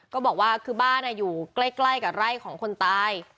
ก็บอกว่าคือบ้านอยู่ใกล้กับไร่ของคนตาย